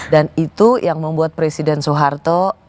dan itu yang membuat presiden soeharto